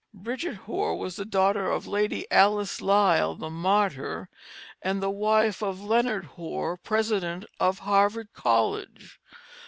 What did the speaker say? Bridget Hoar was the daughter of Lady Alice Lisle, the martyr, and the wife of Leonard Hoar, president of Harvard College.